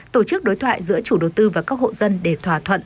tổ chức đối thoại giữa chủ đầu tư và các hộ dân để thỏa thuận